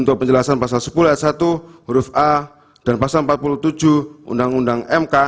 untuk penjelasan pasal sepuluh ayat satu huruf a dan pasal empat puluh tujuh undang undang mk